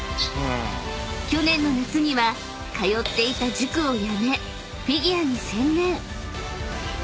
［去年の夏には通っていた塾をやめフィギュアに専念］